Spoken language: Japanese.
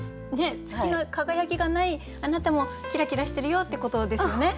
月の輝きがないあなたもキラキラしてるよってことですよね？